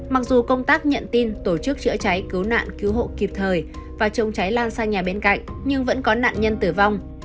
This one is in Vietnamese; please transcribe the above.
mặc dù công tác nhận tin tổ chức chữa cháy cứu nạn cứu hộ kịp thời và chống cháy lan sang nhà bên cạnh nhưng vẫn có nạn nhân tử vong